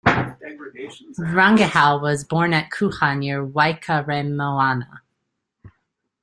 Rangihau was born at Kuha near Waikaremoana.